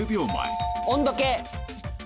温度計。